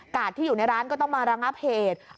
ที่อยู่ในร้านก็ต้องมาระงับเหตุ